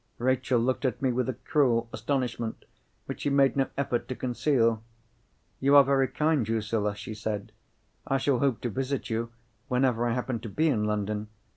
Rachel looked at me with a cruel astonishment which she made no effort to conceal. "You are very kind, Drusilla," she said. "I shall hope to visit you whenever I happen to be in London.